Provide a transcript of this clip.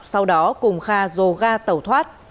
sau đó cùng kha dồ ga tàu thoát